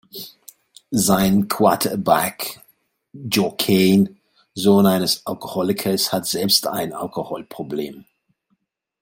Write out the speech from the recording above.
Sein Quarterback Joe Kane, Sohn eines Alkoholikers, hat selbst ein Alkoholproblem.